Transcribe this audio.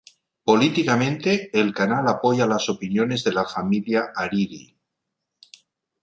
Políticamente, el canal apoya las opiniones de la familia Hariri.